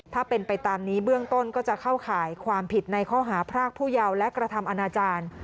ถ้าเป็นไปตามนี้เบื้องต้นก็จะเข้าข่ายความผิดในข้อหาพรากผู้เยาว์และกระทำอนาจารย์